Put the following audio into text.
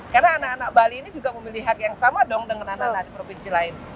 karena anak anak bali ini juga memilih hak yang sama dong dengan anak anak di provinsi lain